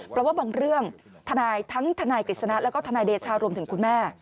เพราะว่าบางเรื่องทนายทั้งทนายกฤษณะแล้วก็ทนายเดชารวมถึงคุณแม่